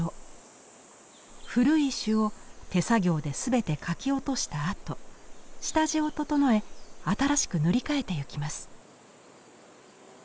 古い朱を手作業で全てかき落としたあと下地を整え新しく塗り替えてゆきます。